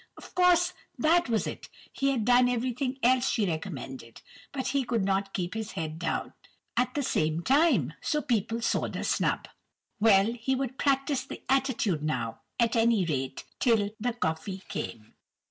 Of course that was it! He had done everything else she recommended, but he could not keep his head down at the same time, so people saw the snub! Well, he would practise the attitude now, at any rate, till the coffee came!